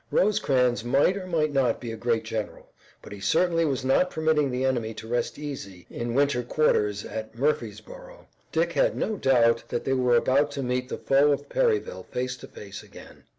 Rosecrans might or might not be a great general, but he certainly was not permitting the enemy to rest easy in winter quarters at Murfreesborough. Dick had no doubt that they were about to meet the foe of Perryville face to face again.